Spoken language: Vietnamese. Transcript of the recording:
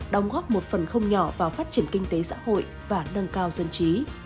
đóng góp một phần không nhỏ vào phát triển kinh tế xã hội và nâng cao dân trí